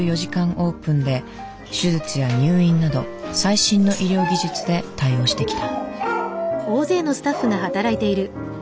オープンで手術や入院など最新の医療技術で対応してきた。